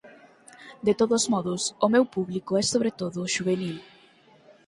De todos modos, o meu público é, sobre todo, xuvenil.